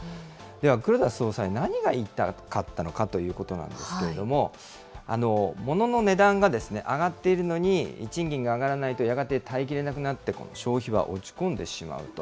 では黒田総裁、何が言いたかったのかということなんですけれども、ものの値段が上がっているのに、賃金が上がらないと、やがて耐え切れなくなって消費は落ち込んでしまうと。